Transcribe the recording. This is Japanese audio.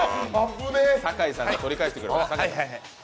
酒井さんが取り返してくれます。